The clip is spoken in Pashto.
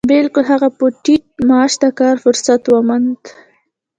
بلکې هغه په ټيټ معاش د کار فرصت وموند.